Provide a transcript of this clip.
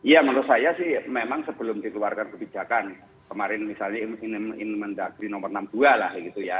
ya menurut saya sih memang sebelum dikeluarkan kebijakan kemarin misalnya inmen dagri nomor enam puluh dua lah gitu ya